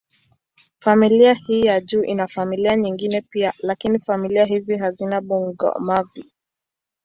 Familia hii ya juu ina familia nyingine pia, lakini familia hizi hazina bungo-mavi.